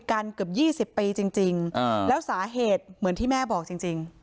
กันเกือบ๒๐ปีจริงแล้วสาเหตุเหมือนที่แม่บอกจริง